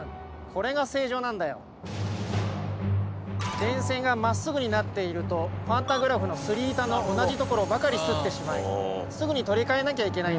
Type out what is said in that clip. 電線がまっすぐになっているとパンタグラフのスリ板の同じところばかり擦ってしまいすぐに取り替えなきゃいけないんだ。